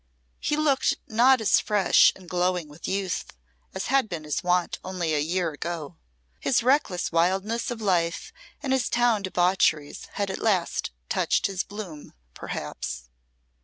He looked not as fresh and glowing with youth as had been his wont only a year ago. His reckless wildness of life and his town debaucheries had at last touched his bloom, perhaps.